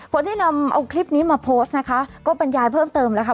คนที่นำเอาคลิปนี้มาโพสต์นะคะก็บรรยายเพิ่มเติมแล้วค่ะ